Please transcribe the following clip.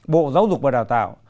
bộ giáo dục và đào tạo